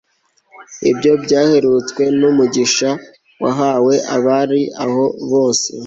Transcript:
ibyo byaherutswe n'umugisha wahawe abari aho bose